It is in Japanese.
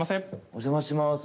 お邪魔します。